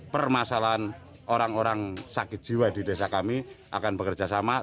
permasalahan orang orang sakit jiwa di desa kami akan bekerja sama